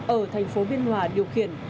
ở thành phố biên hòa điều khiển